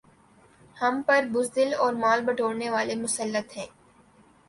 ہم پر بزدل اور مال بٹورنے والے مسلط ہیں